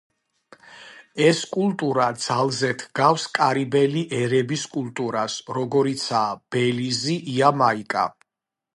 ეს კულტურა ძალზედ ჰგავს კარიბელი ერების კულტურას, როგორიცაა ბელიზი, იამაიკა.